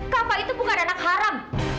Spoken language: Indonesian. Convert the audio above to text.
kapal itu bukan anak haram